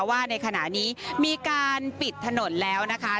ว่าในขณะนี้มีการปิดถนนแล้วนะคะ